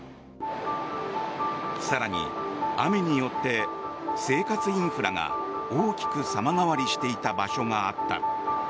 更に雨によって生活インフラが大きく様変わりしていた場所があった。